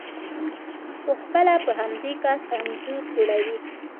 په خپله په همدې کس انځور جوړوئ،